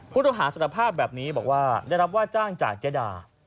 ผู้ต้องหาสนภาพแบบนี้ได้รับจ้างจากเจดา